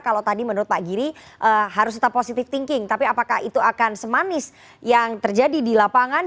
kalau tadi menurut pak giri harus tetap positive thinking tapi apakah itu akan semanis yang terjadi di lapangan